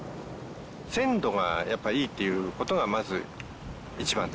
鮮度がやっぱいいっていう事がまず一番ですね。